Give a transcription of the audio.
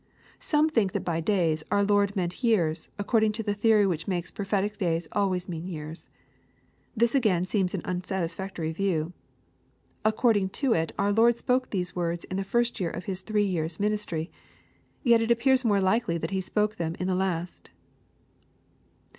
Some think that by days our Lord meant years, according to the theory which makes prophetic days always mean years. This again seems an unsatisfactory view. According to it our Lord spoke these words in the first year of His three years* min istry. Yet it appears more Ukely that He spoke them in the last.